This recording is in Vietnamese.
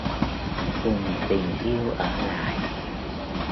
Cùng tình yêu ở lại...